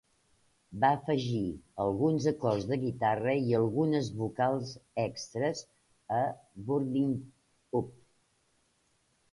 Va afegir alguns acords de guitarra i algunes vocals extres a "Burning Up".